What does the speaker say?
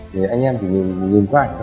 thì anh em thì nhìn qua ảnh đó